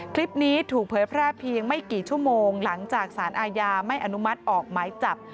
คลิปนี้ถูกเผยแพร่เพียงไม่กี่ชั่วโมงหลังจากสารอาญาไม่อนุมัติออกหมายจับ